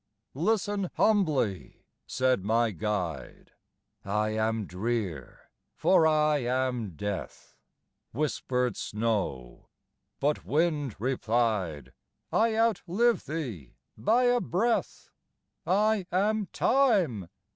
"Listen humbly," said my guide. "I am drear, for I am death," Whispered Snow; but Wind replied, "I outlive thee by a breath, I am Time."